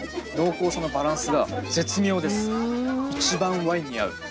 一番ワインに合う。